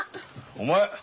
お前